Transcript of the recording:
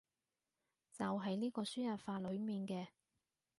就係呢個輸入法裏面嘅